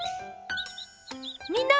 みんな！